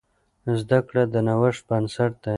زده کړه د نوښت بنسټ دی.